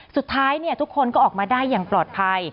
สุดท้ายทุกคนก็ออกมาได้อย่างปลอดภัย